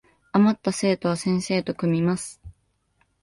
あまった生徒は先生と組みます